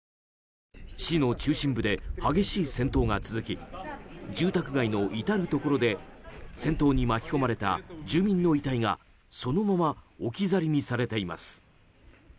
市の中心部で激しい戦闘が続き住宅街の至るところで戦闘に巻き込まれた住民の遺体が、そのまま置き去りにされています。